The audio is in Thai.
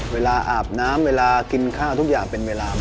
อาบน้ำเวลากินข้าวทุกอย่างเป็นเวลา